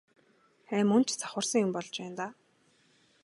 Ай мөн ч завхарсан юм болж байна даа.